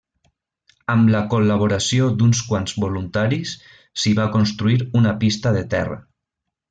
Amb la col·laboració d'uns quants voluntaris s'hi va construir una pista de terra.